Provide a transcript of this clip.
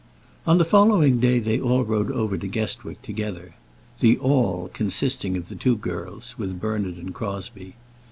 On the following day they all rode over to Guestwick together, the all consisting of the two girls, with Bernard and Crosbie.